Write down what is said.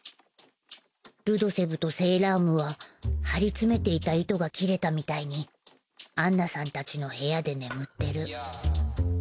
ルドセブとセイラームは張り詰めていた糸が切れたみたいにアンナさんたちの部屋で眠ってる。